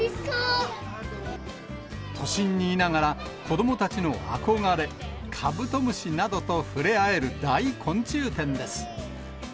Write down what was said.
都心にいながら、子どもたちの憧れ、カブトムシなどと触れ合える大昆虫展です。